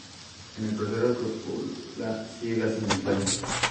En el crucero cúpula ciega sin linterna.